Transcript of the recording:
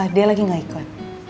dia lagi gak ikut